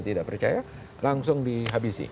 tidak percaya langsung dihabisi